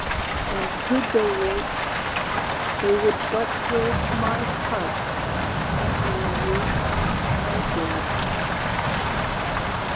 And could they wake, they would but break My heart, now you are dead.